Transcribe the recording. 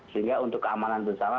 sehingga untuk keamanan bersama